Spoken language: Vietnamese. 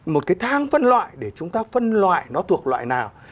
một cái thang phân loại để chúng ta phân loại nó thuộc loại nào